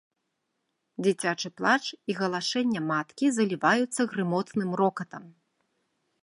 Дзіцячы плач і галашэнне маткі заліваюцца грымотным рокатам.